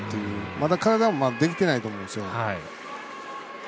まだ体もできてないと思うんですよ。